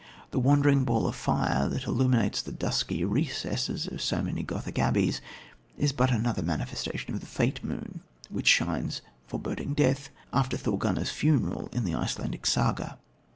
The wandering ball of fire that illuminates the dusky recesses of so many Gothic abbeys is but another manifestation of the Fate Moon, which shines, foreboding death, after Thorgunna's funeral, in the Icelandic saga.